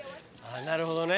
なるほどね。